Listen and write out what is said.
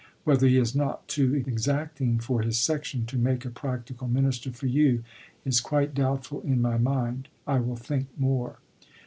Whether he is not too exacting for his section to make a practical minister for you is quite doubtful in my mind. I will think more.